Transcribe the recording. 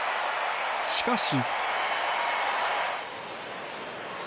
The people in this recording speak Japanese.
しかし。